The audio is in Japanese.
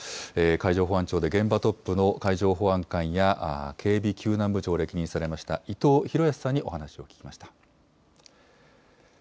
海上保安庁で現場トップの海上保安監や警備救難部長を歴任されました、伊藤裕康さんにお話を聞きました。